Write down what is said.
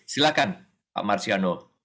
silahkan pak marciano